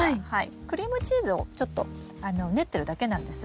クリームチーズをちょっと練ってるだけなんです。